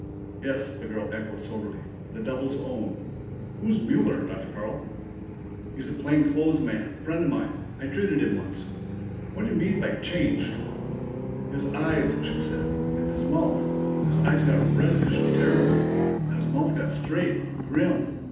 "Yes," the girl echoed soberly. "The Devil's own! Who's Mueller, Dr. Carl?" "He's a plain clothes man, friend of mine. I treated him once. What do you mean by changed?" "His eyes," she said. "And his mouth. His eyes got reddish and terrible, and his mouth got straight and grim.